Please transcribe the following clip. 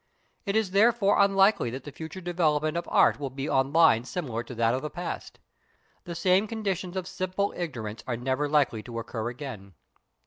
It is therefore unlikely that the future development of art will be on lines similar to that of the past. The same conditions of simple ignorance are never likely to occur again.